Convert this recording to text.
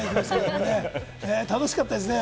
楽しかったですね。